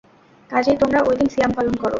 কাজেই তোমরা ঐ দিন সিয়াম পালন কর।